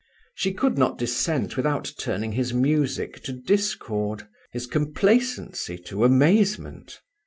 She could not dissent without turning his music to discord, his complacency to amazement.